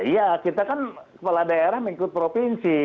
iya kita kan kepala daerah mengikut provinsi